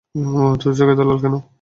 তোর চোখ এতো লাল কেন?